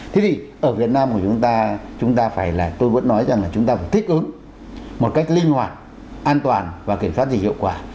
thế thì ở việt nam của chúng ta chúng ta phải là tôi vẫn nói rằng là chúng ta phải thích ứng một cách linh hoạt an toàn và kiểm soát gì hiệu quả